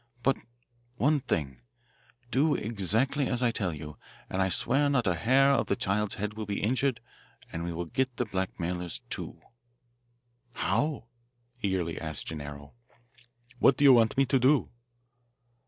"But one thing do exactly as I tell you, and I swear not a hair of the child's head will be injured and we will get the blackmailers, too." "How?" eagerly asked Gennaro. "What do you want me to do?"